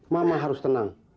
mama harus tenang